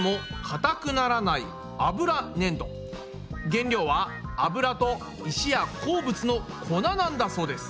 原料は油と石や鉱物の粉なんだそうです。